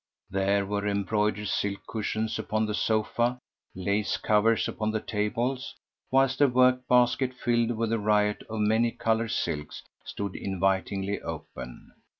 There were embroidered silk cushions upon the sofa, lace covers upon the tables, whilst a work basket, filled with a riot of many coloured silks, stood invitingly open.